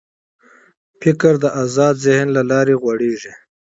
فکر د آزاد ذهن له لارې غوړېږي.